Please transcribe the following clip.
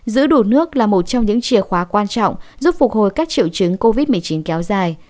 giữ đủ nước là một trong những chìa khóa quan trọng giúp phục hồi các triệu chứng covid một mươi chín kéo dài